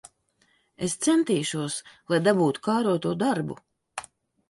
Es centīšos, lai dabūtu kāroto darbu.